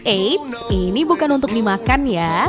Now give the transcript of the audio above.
eits ini bukan untuk dimakan ya